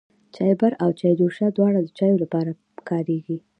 چايبر او چايجوشه دواړه د چايو د پاره کاريږي.